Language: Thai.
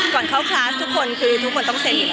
ก่อนเข้าคลาสทุกคนคือทุกคนต้องเซ็นอยู่แล้ว